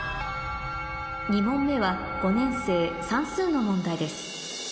２問目は５年生算数の問題です